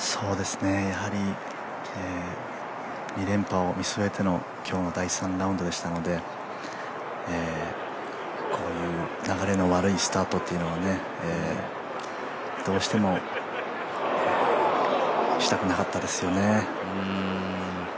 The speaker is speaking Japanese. ２連覇を見据えての今日の第３ラウンドでしたのでこういう流れの悪いスタートはどうしてもしたくなかったですよね。